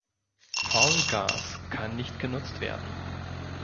Faulgas kann nicht genutzt werden.